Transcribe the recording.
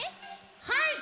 はい！